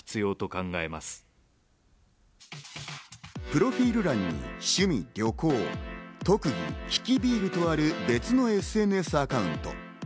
プロフィール欄に趣味・旅行、特技にききビールとある別のＳＮＳアカウント。